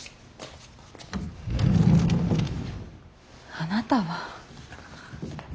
あなたは。